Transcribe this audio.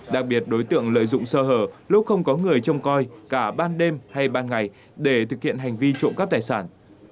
đặc biệt đối tượng lợi dụng sơ hở lúc không có người trông coi cả ban đêm hay ban ngày để thực hiện hành vi trộm cắp tài sản